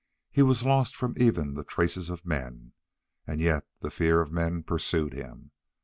He was lost from even the traces of men, and yet the fear of men pursued him.